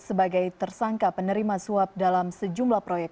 sebagai tersangka penerima suap dalam sejumlah proyek